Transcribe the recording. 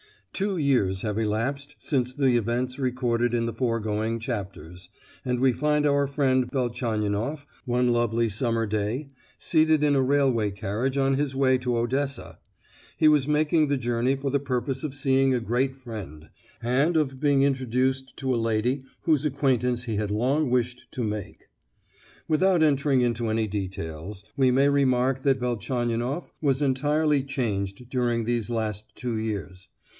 Two years have elapsed since the events recorded in the foregoing chapters, and we find our friend Velchaninoff, one lovely summer day, seated in a railway carriage on his way to Odessa; he was making the journey for the purpose of seeing a great friend, and of being introduced to a lady whose acquaintance he had long wished to make. Without entering into any details, we may remark that Velchaninoff was entirely changed during these last two years.